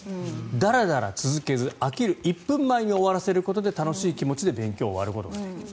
だらだら続けず飽きる１分前に終わらせることで楽しい気持ちで勉強を終わることができる。